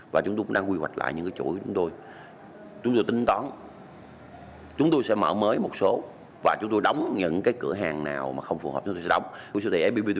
và chúng tôi cũng đang quy hoạch lại những cái chuỗi chúng tôi